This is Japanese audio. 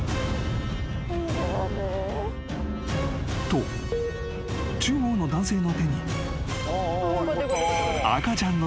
［と中央の男性の手に］